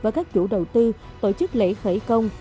với các chủ đầu tư tổ chức lễ khởi công